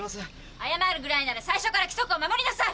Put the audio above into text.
謝るぐらいなら最初から規則を守りなさい！